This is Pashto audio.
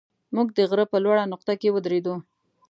موږ د غره په لوړه نقطه کې ودرېدو.